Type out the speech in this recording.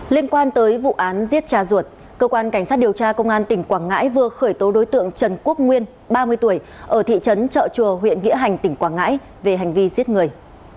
liên quan tới vụ án giết cha ruột cơ quan cảnh sát điều tra công an tỉnh quảng ngãi vừa khởi tố đối tượng trần quốc nguyên ba mươi tuổi ở thị trấn trợ chùa huyện nghĩa hành tỉnh quảng ngãi về hành vi giết người